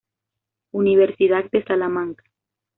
Universidad de Salamanca.